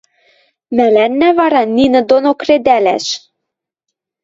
– Мӓлӓннӓ вара нинӹ доно кредӓлӓш!